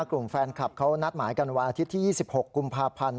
กลุ่มแฟนคลับเขานัดหมายกันวันอาทิตย์ที่๒๖กุมภาพันธ์